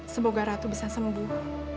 semoga ratu bisa sembuh